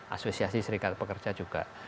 asosiasi serikat pekerja juga